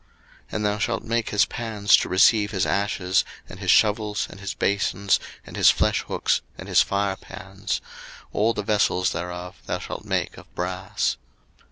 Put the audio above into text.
02:027:003 And thou shalt make his pans to receive his ashes, and his shovels, and his basons, and his fleshhooks, and his firepans: all the vessels thereof thou shalt make of brass.